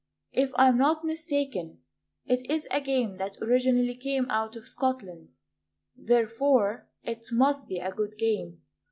If I am not mistaken, It is a game that originally came out of Scotland; Therefore it must be a good game.